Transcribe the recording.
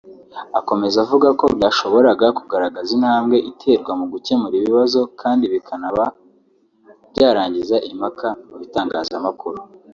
Akomeza avuga ko byashoboraga kugaragaza intambwe iterwa mu gukemura ibibazo kandi bikanaba byarangiza impaka mu bitangazamakuru